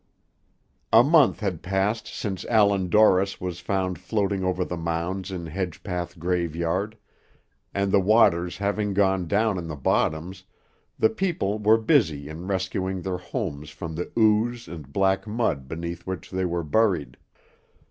A month had passed since Allan Dorris was found floating over the mounds in Hedgepath graveyard, and the waters having gone down in the bottoms, the people were busy in rescuing their homes from the ooze and black mud beneath which they were buried.